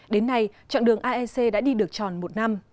đến nay chặng đường aec đã đi được tròn một năm